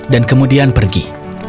dan kemudian pergi